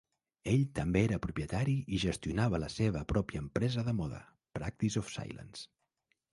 Ell també era propietari i gestionava la seva pròpia empresa de moda, Practice of Silence.